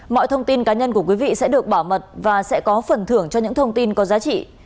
mọi thông tin cá nhân của quý vị sẽ được bảo mật và sẽ có phần thưởng cho những thông tin có giá trị